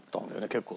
結構。